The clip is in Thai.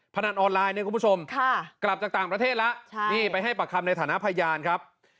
พนันออนไลน์เนี่ยคุณผู้ชมกลับจากต่างประเทศแล้วนี่ไปให้ปากคำในฐานะพยานครับ